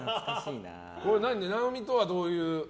直美とはどういう？